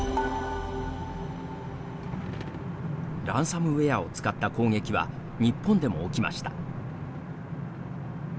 ランサムウエアを使った攻撃は日本でも起きました。